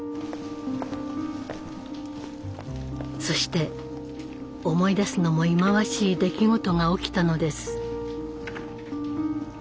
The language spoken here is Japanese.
そして思い出すのも忌まわしい出来事が起きたのです。